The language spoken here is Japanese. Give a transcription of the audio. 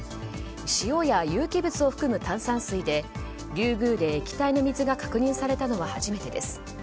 塩や有機物を含む炭酸水で、リュウグウで液体の水が確認されたのは初めてです。